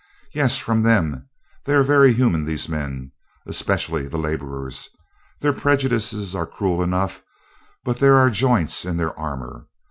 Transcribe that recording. "Yes, from them. They are very human, these men, especially the laborers. Their prejudices are cruel enough, but there are joints in their armor.